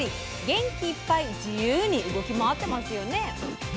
元気いっぱい自由に動き回ってますよね。